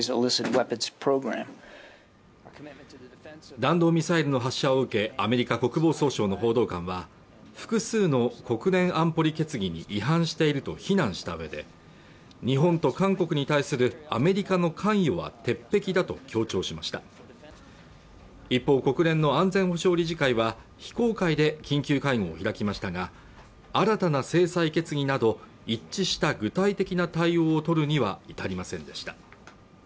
弾道ミサイルの発射を受けアメリカ国防総省の報道官は複数の国連安保理決議に違反していると非難したうえで日本と韓国に対するアメリカの関与は鉄壁だと強調しました一方、国連の安全保障理事会は非公開で緊急会合を開きましたが新たな制裁決議など一致した具体的な対応を取るには至りませんでした